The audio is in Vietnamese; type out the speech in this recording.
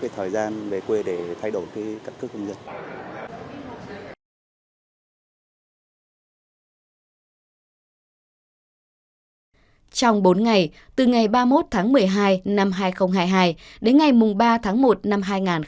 trong bốn ngày từ ngày ba mươi một tháng một mươi hai năm hai nghìn hai mươi hai đến ngày ba tháng một năm hai nghìn hai mươi ba